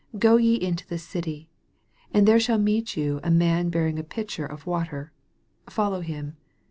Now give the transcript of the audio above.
Go ye into the city, and there shall meet you a man bearing a pitcher ol wauu follow him.